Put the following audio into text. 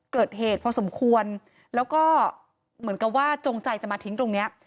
เกิดเหตุพอสมควรแล้วก็เหมือนกับว่าจงใจจะมาทิ้งตรงเนี้ย